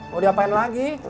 mau diapain lagi